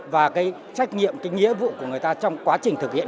và trách nhiệm nghĩa vụ của người ta trong quá trình thực hiện